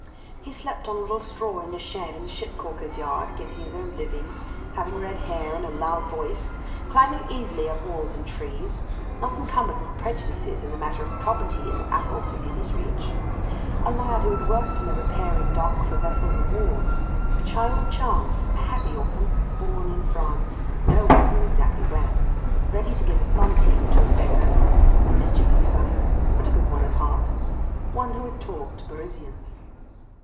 He slept on a little straw in a shed in the ship caulker's yard, getting his own living, having red hair, and a loud voice; climbing easily up walls and trees, not encumbered with prejudices in the matter of property in the apples within his reach; a lad who had worked in the repairing dock for vessels of war a child of chance, a happy orphan, born in France, no one knew exactly where; ready to give a centime to a beggar; a mischievous fellow, but a good one at heart; one who had talked to Parisians.